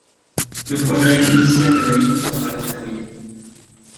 Le projet initial de la ligne sera alors terminé.